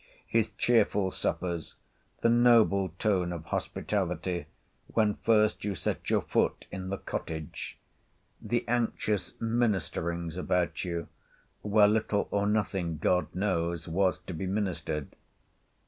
—his cheerful suppers—the noble tone of hospitality, when first you set your foot in the cottage—the anxious ministerings about you, where little or nothing (God knows) was to be ministered.